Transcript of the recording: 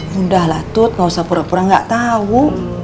mudahlah tut gak usah pura pura gak tau